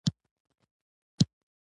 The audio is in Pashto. د شېوان خلک کروندګر دي